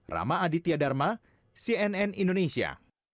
rama aditya dharma cnn indonesia